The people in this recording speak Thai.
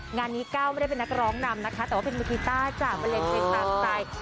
งานนี้ก้าวไม่ได้เป็นนักร้องนำนะคะแต่ว่าเป็นมธิตาจากเมริกันต่าง